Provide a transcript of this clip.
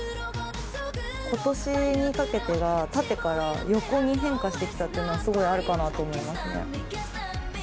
ことしにかけては、縦から横に変化してきたっていうのはすごいあるかなと思いますね。